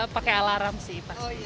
pakai alarm sih